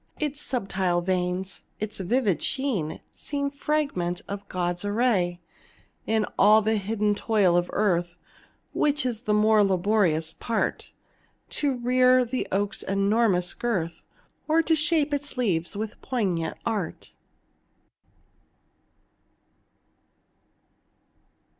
Its subtile veins, its vivid sheen, Seem fragment of a god's array. In all the hidden toil of earth, Which is the more laborious part To rear the oak's enormous girth, Or shape its leaves with poignant art?